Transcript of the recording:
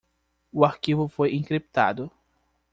O arquivo foi encriptado